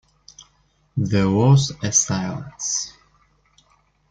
There was a silence.